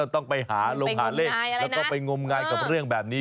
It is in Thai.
ต้องไปหาลงหาเลขแล้วก็ไปงมงายกับเรื่องแบบนี้